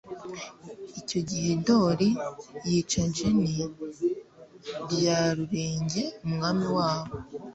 Icyo gihe Ndoli yica Jeni Rya Rurenge Umwami waho,